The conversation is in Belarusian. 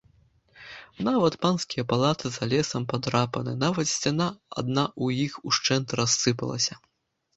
Нават панскія палацы за лесам падрапаны, нават сцяна адна ў іх ушчэнт рассыпалася.